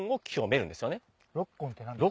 六根って何ですか？